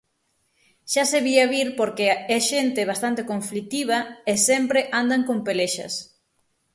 Xa se vía vir porque é xente bastante conflitiva e sempre andan con pelexas.